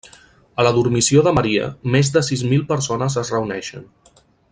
A la Dormició de Maria, més de sis mil persones es reuneixen.